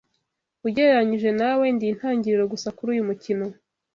Ugereranije nawe, Ndi intangiriro gusa kuri uyu mukino.